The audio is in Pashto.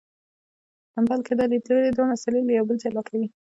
بلکې دا لیدلوری دوه مسئلې له یو بل جلا کوي.